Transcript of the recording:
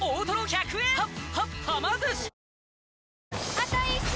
あと１周！